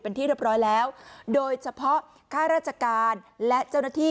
เป็นที่เรียบร้อยแล้วโดยเฉพาะค่าราชการและเจ้าหน้าที่